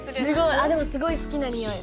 あっでもすごい好きなにおい！